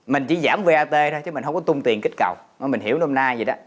mình chỉ giảm vat thôi chứ mình không có tung tiền kích cầu mà mình hiểu năm nay vậy đó